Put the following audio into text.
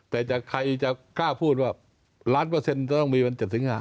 แต่ใครจะกล้าพูดว่าล้านเปอร์เซ็นต์จะต้องมีวัน๗สิงหา